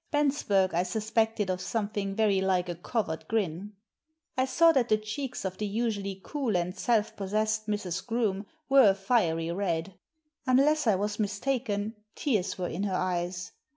Bensberg I suspected of something very like a covert grin. I saw that the cheeks of the usually cool and self possessed Mrs. Groome were a fiery red. Unless I was mistaken, tears were in her eyes.